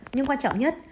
nhưng quan trọng nhất